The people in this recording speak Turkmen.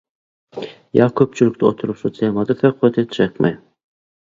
Ýa köpçülikde oturyp şo temada söhbet etjekmi?